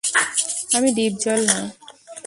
আমি ডিপজল না।